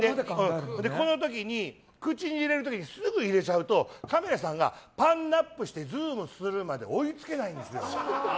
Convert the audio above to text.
口に入れる時にすぐ入れちゃうとカメラさんがパンアップしてズームする時に追いつけないんですよ。